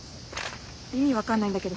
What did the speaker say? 意味分かんないんだけど。